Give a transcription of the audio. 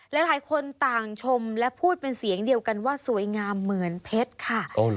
หลายคนต่างชมและพูดเป็นเสียงเดียวกันว่าสวยงามเหมือนเพชรค่ะ